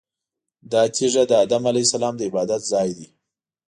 دا تیږه د ادم علیه السلام د عبادت ځای دی.